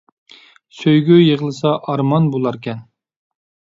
سۆيگۈ يىغلىسا ئارمان بۇلار كەن